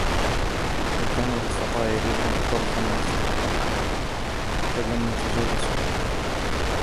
لَوْ كَانَ لِلْخَطَايَا رِيحٌ لَافْتَضَحَ النَّاسُ وَلَمْ يَتَجَالَسُوا